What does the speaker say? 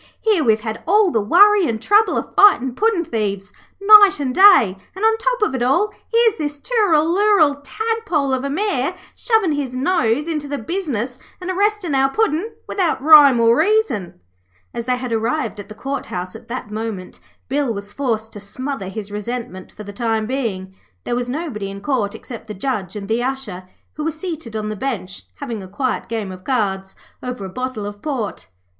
'Here we've had all the worry and trouble of fightin' puddin' thieves night and day, and, on top of it all, here's this Tooralooral tadpole of a Mayor shovin' his nose into the business and arrestin' our Puddin' without rhyme or reason.' As they had arrived at the Court House at that moment, Bill was forced to smother his resentment for the time being. There was nobody in Court except the Judge and the Usher, who were seated on the bench having a quiet game of cards over a bottle of port.